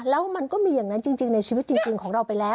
แล้วมันก็มีอย่างนั้นจริงในชีวิตจริงของเราไปแล้ว